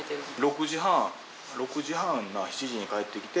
６時半６時半まあ７時に帰ってきて。